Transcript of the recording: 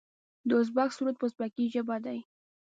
د ازبک سرود په ازبکي ژبه دی.